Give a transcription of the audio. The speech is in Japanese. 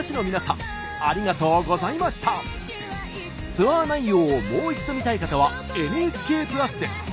ツアー内容をもう一度見たい方はＮＨＫプラスで！